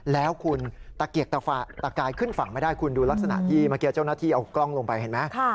แล้วคุณตะเกียกตะกายขึ้นฝั่งไม่ได้คุณดูลักษณะที่เมื่อกี้เจ้าหน้าที่เอากล้องลงไปเห็นไหม